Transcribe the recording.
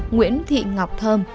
nguyễn thị ngọc thơm